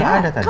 gak ada tadi